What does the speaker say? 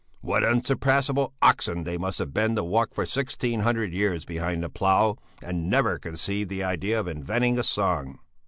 "What unsurpassable oxen they must have been to walk for sixteen hundred years behind the plough and never conceive the idea of inventing a song!